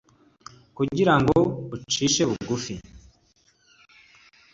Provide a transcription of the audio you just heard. kugira ngo agucishe bugufi, ntiyakuruda ko wkwa n'inzara,